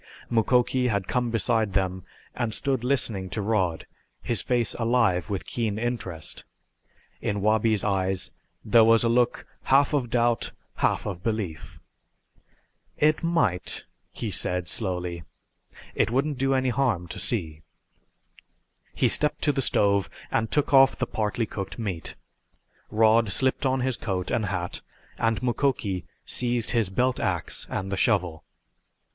Mukoki had come beside them and stood listening to Rod, his face alive with keen interest. In Wabi's eyes there was a look half of doubt, half of belief. "It might," he said slowly. "It wouldn't do any harm to see." He stepped to the stove and took off the partly cooked steak. Rod slipped on his coat and hat and Mukoki seized his belt ax and the shovel.